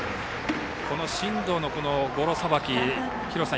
進藤のゴロさばき、廣瀬さん